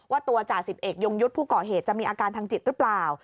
ว่าตัวจ่าสิบเอกยงยุทธ์ผู้ก่อเหตุจะมีอาการทางจิตหรือเปล่า